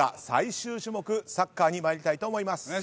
最終種目サッカーに参りたいと思います。